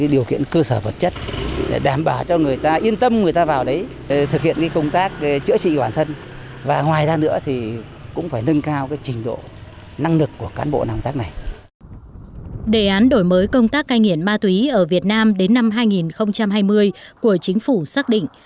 đề án đổi mới công tác cai nghiện ma túy ở việt nam đến năm hai nghìn hai mươi của chính phủ xác định